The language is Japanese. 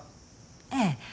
ええ。